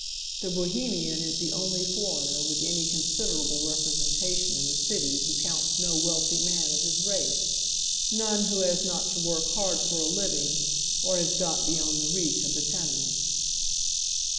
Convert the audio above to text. The Bohemian is the only foreigner with any considerable representation in the city who counts no wealthy man of his race, none who has not to work hard for a living, or has got beyond the i eaeh of the tenement.